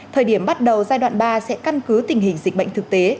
thời điểm bắt đầu giai đoạn ba sẽ căn cứ tình hình dịch bệnh thực tế